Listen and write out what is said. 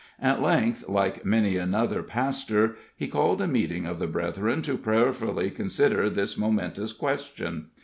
At length, like many another pastor, he called a meeting of the brethren, to prayerfully consider this momentous question.